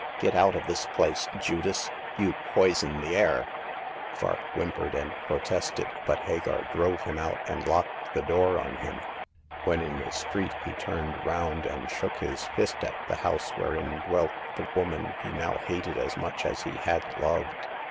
Get out of this place, Judas ! You poison the air !" ^9 290 Hagar of the Pawn Shop. Vark whimpered and protested, but Hagar drove him out and locked the door on him. When in the street, he turned round and shook his fist at the house wherein dwelt the woman he now hated as much as he had loved.